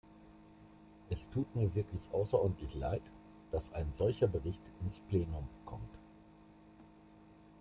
Es tut mir wirklich außerordentlich Leid, dass ein solcher Bericht ins Plenum kommt.